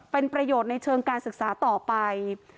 เป็นประโยชน์ในเชิงการศึกษาต่อไป